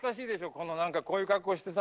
この何かこういう格好してさ。